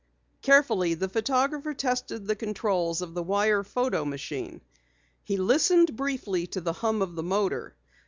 Carefully the photographer tested the controls of the wire photo machine. He listened briefly to the hum of the motor.